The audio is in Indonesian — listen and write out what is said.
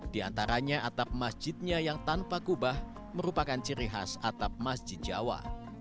di antaranya atap masjidnya yang tanpa kubah merupakan ciri khas atap masjid jawa